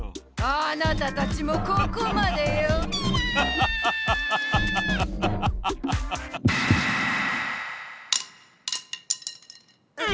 あなたたちもここまでよ。ペラ！